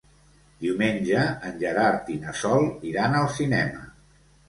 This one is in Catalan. Diumenge en Gerard i na Sol iran al cinema.